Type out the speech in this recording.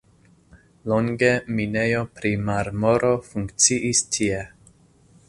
Longe minejo pri marmoro funkciis tie.